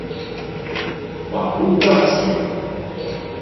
網路斷線